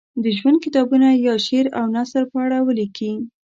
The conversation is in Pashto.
د ژوند کتابونه یا شعر او نثر په اړه ولیکي.